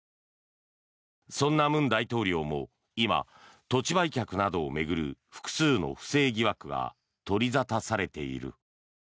そんな文大統領も今、土地売却などを巡る複数の不正疑惑が取り沙汰されている。